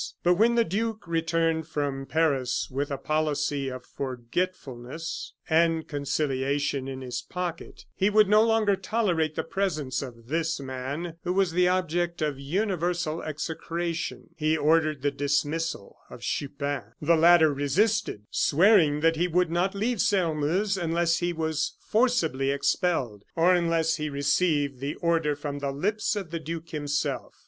But when the duke returned from Paris with a policy of forgetfulness and conciliation in his pocket, he would no longer tolerate the presence of this man, who was the object of universal execration. He ordered the dismissal of Chupin. The latter resisted, swearing that he would not leave Sairmeuse unless he was forcibly expelled, or unless he received the order from the lips of the duke himself.